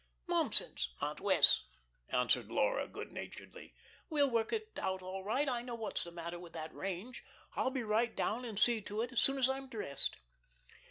"Nonsense, Aunt Wess'," answered Laura, good naturedly. "We'll work it out all right. I know what's the matter with that range. I'll be right down and see to it so soon as I'm dressed."